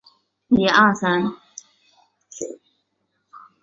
本场所的结果在确定力士的晋升和降级方面很重要。